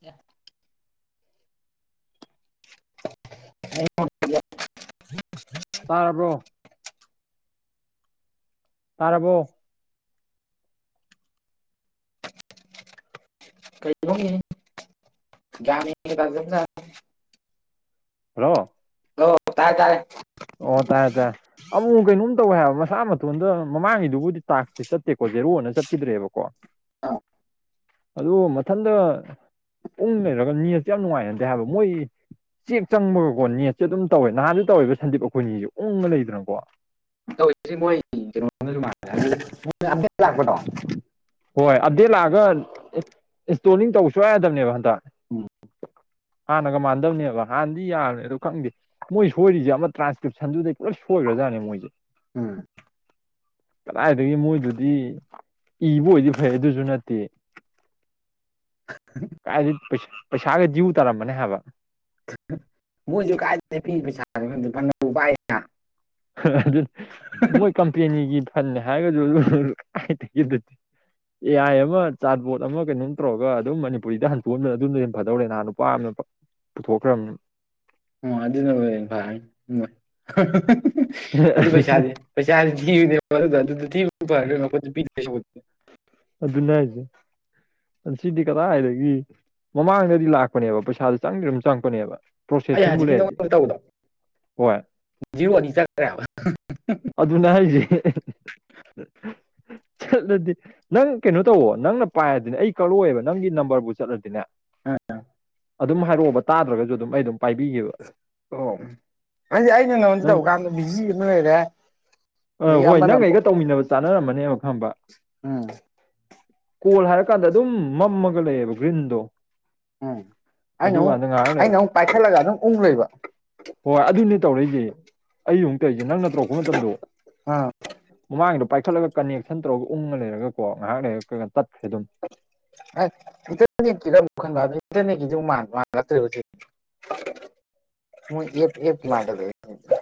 ꯌꯥ [inaudible] [inaudible] ꯇꯥꯔꯕ꯭ꯔꯣ ꯇꯥꯔꯕꯣ [inaudible] ꯍꯜꯂꯣ [inaudible] ꯇꯥꯔꯦ ꯇꯥꯔꯦ ꯑꯣ ꯇꯥꯔꯦ ꯇꯥꯔꯦ ꯑꯃꯨꯃꯨꯛ ꯀꯩꯅꯣꯝ ꯇꯧꯋꯦ ꯍꯥꯏꯕ ꯃꯁꯥ ꯃꯇꯟꯗ ꯃꯃꯥꯡꯒꯤꯗꯨꯕꯨꯗꯤ ꯇꯥꯛꯁꯇꯤ ꯆꯠꯇꯦꯀꯣ ꯖꯦꯔꯣꯅ ꯆꯠꯈꯤꯗ꯭ꯔꯦꯕꯀꯣ ꯑ ꯑꯗꯨ ꯃꯊꯟꯗ ꯎꯪ ꯂꯩꯔꯒ ꯅꯦꯠꯁꯨ ꯌꯥꯝ ꯅꯨꯡꯉꯥꯏꯅꯗꯦ ꯍꯥꯏꯕ ꯃꯣꯏ ꯆꯦꯛ ꯆꯪꯕꯒꯀꯣ ꯅꯦꯠꯁꯦ ꯑꯗꯨꯝ ꯇꯧꯋꯦ ꯅꯍꯥꯟꯖꯨ ꯇꯧꯋꯦꯕ ꯁꯟꯗꯤꯞ ꯑꯩꯈꯣꯏꯅꯤꯖꯨ ꯎꯪꯉ ꯂꯩꯗꯅꯀꯣ [inaudible] ꯍꯣꯏ ꯑꯞꯗꯦꯠ ꯂꯥꯛꯑꯒ ꯏꯟꯁꯇꯣꯂꯤꯡ ꯇꯧꯕ ꯁꯨꯌꯥ ꯌꯥꯗꯝꯅꯦꯕ ꯍꯟꯗꯛ [inaudible] ꯍꯥꯟꯅꯒ ꯃꯥꯟꯅꯗꯝꯅꯦꯕ ꯍꯥꯟꯅꯗꯤ ꯌꯥꯔꯦ ꯑꯗꯨ ꯈꯪꯗꯦ ꯃꯣꯏ ꯁꯣꯏꯔꯤꯖꯦ ꯑꯃ ꯇ꯭ꯔꯥꯟꯁꯀ꯭ꯔꯤꯞꯁꯟꯗꯨꯗꯩ ꯄꯨꯂꯞ ꯁꯣꯏꯒ꯭ꯔꯖꯥꯠꯅꯦ ꯃꯣꯏꯁꯦ ꯎꯝ ꯀꯗꯥꯏꯗꯒꯤ ꯃꯣꯏꯗꯨꯗꯤ ꯏꯕ ꯑꯣꯏꯗꯤ ꯐꯩ ꯑꯗꯨꯁꯨ ꯅꯠꯇꯦ ꯀꯥꯏꯗꯩꯩ ꯄꯩꯁ ꯄꯩꯁꯥꯒ ꯗ꯭ꯌꯨ ꯇꯥꯔꯝꯃꯅꯦ ꯍꯥꯏꯕ [inaudible] ꯑꯗꯨ ꯃꯣꯏ ꯀꯝꯄꯦꯅꯤꯒꯤ ꯐꯟꯅꯦ ꯍꯥꯏꯔꯒꯁꯨ ꯑꯗꯨ ꯀꯥꯏꯗꯒꯤ ꯑꯗꯨꯗꯤ ꯑꯦ ꯑꯥꯏ ꯑꯃ ꯆꯥꯠꯕꯣꯠ ꯑꯃ ꯀꯩꯅꯣꯝ ꯇꯧꯔꯒ ꯑꯗꯨꯝ ꯃꯅꯤꯄꯨꯔꯤꯗ ꯍꯟꯇꯣꯛꯍꯟꯕꯅ ꯑꯗꯨꯅ ꯍꯦꯟꯅ ꯐꯗꯧꯔꯦ ꯅꯍꯥꯟ ꯅꯨꯄꯥ ꯑꯃꯅ ꯄꯨꯊꯣꯛꯈ꯭ꯔꯝꯅꯤ ꯑꯣ ꯑꯗꯨꯅꯕꯨ ꯍꯦꯟ ꯐꯔꯅꯤ ꯃꯣꯏ ꯑꯗꯨ ꯄꯩꯁꯥꯗꯤ [inaudible] ꯑꯗꯨꯅꯦ ꯍꯥꯏꯖꯦ ꯁꯤꯗꯤ ꯀꯗꯥꯏꯗꯒꯤ ꯃꯃꯥꯡꯗꯗꯤ ꯂꯥꯛꯄꯅꯦꯕ ꯄꯩꯁꯥꯥꯖꯦ ꯆꯪꯗꯤ ꯑꯗꯨꯝ ꯆꯪꯉꯛꯄꯅꯦꯕ ꯑꯩ ꯄ꯭ꯔꯣꯁꯦꯁꯤꯡꯕꯨ ꯍꯖꯤꯛꯀꯤ ꯂꯩꯔꯗꯤ ꯅꯉꯣꯟꯗ ꯇꯧꯕꯗꯣ ꯍꯣꯏ ꯖꯤꯔꯣ ꯑꯅꯤ ꯆꯠꯈ꯭ꯔꯦ ꯍꯥꯕ ꯑꯗꯨꯅ ꯍꯥꯏꯖꯦ ꯆꯠꯂꯗꯤ ꯅꯪ ꯀꯩꯅꯣ ꯇꯧꯑꯣ ꯅꯪꯅ ꯄꯥꯏꯔꯗꯤꯅꯦ ꯑꯩ ꯀꯛꯂꯛꯑꯣꯏꯕ ꯅꯪꯒꯤ ꯅꯝꯕꯔꯕꯨ ꯆꯠꯂꯗꯤꯅꯦ [inaudible] ꯑꯗꯨꯝ ꯍꯥꯏꯔꯣꯕ ꯇꯥꯗ꯭ꯔꯒꯖꯨ ꯑꯗꯨꯝ ꯑꯩ ꯑꯗꯨꯝ ꯄꯥꯏꯕꯤꯒꯦꯕ ꯑꯣ ꯑꯩꯗꯤ ꯑꯩꯅ ꯅꯉꯣꯟꯗ ꯅꯪ ꯇꯧꯕ ꯀꯥꯟꯗ ꯕꯤꯖꯤ ꯑꯃ ꯂꯩꯔꯦ ꯑ ꯑꯗꯒꯤ ꯍꯣꯏ ꯑꯃꯅ ꯅꯪ ꯑꯃꯨꯛ ꯑꯩꯒ ꯇꯧꯃꯤꯟꯅꯕ ꯆꯥꯟꯅꯔꯝꯃꯅꯦꯕ ꯈꯪꯕ ꯎꯝ ꯀꯣꯜ ꯍꯥꯏꯔꯀꯥꯟꯗ ꯑꯗꯨꯝ ꯃꯝꯃꯒ ꯂꯩꯌꯦꯕ ꯒ꯭ꯔꯤꯟꯗꯣ ꯎꯝ ꯑꯩꯅ ꯃꯨꯛ ꯑꯗꯨꯀꯥꯟꯗ ꯉꯥꯏꯍꯥꯛ ꯂꯩ ꯑꯩꯅ ꯃꯨꯛ ꯄꯥꯏꯈꯠꯂꯒ ꯑꯗꯨꯝ ꯎꯪ ꯂꯩꯕ ꯍꯣꯏ ꯑꯗꯨꯅꯦ ꯇꯧꯔꯛꯏꯖꯦ ꯑꯩ ꯑꯃꯨꯛ ꯇꯧꯏꯖꯦ ꯅꯪꯅ ꯇꯧꯔꯛꯄ ꯃꯇꯝꯗꯣ ꯑ ꯃꯃꯥꯡꯒꯤꯗꯣ ꯄꯥꯏꯈꯠꯂꯒ ꯀꯅꯦꯛꯁꯟ ꯇꯧꯔꯒ ꯎꯪꯉ ꯂꯩꯔꯒꯀꯣ ꯉꯥꯏꯍꯥꯛ ꯂꯩꯔ ꯀꯒ ꯇꯠꯈ꯭ꯔꯦ ꯑꯗꯨꯝ [inaudible] ꯍꯧꯖꯤꯛ ꯃꯣꯏ ꯑꯦꯞ ꯑꯦꯞ ꯀꯤ ꯃꯥꯟꯖꯜꯂꯛꯑꯦ ꯁꯤꯗꯤ